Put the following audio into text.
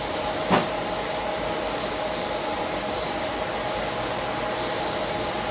ต้องเติมเนี่ย